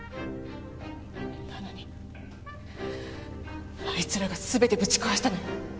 なのにあいつらが全てぶち壊したのよ。